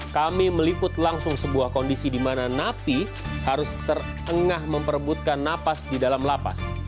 kami meliput langsung sebuah kondisi di mana napi harus terengah memperebutkan napas di dalam lapas